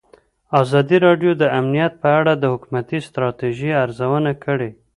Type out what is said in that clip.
ازادي راډیو د امنیت په اړه د حکومتي ستراتیژۍ ارزونه کړې.